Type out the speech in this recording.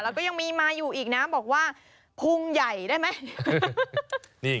แล้วก็ยังมีมาอยู่อีกนะบอกว่าพุงใหญ่ได้ไหม